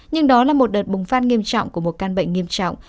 nhưng đó là một đợt bùng phát nghiêm trọng của một căn bệnh nghiêm trọng